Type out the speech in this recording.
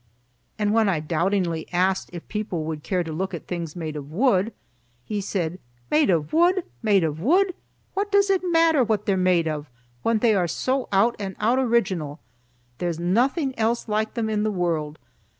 And when I doubtingly asked if people would care to look at things made of wood, he said, "Made of wood! Made of wood! What does it matter what they're made of when they are so out and out original. There's nothing else like them in the world.